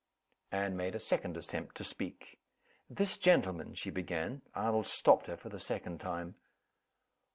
Anne made a second attempt to speak. "This gentleman " she began. Arnold stopped her for the second time.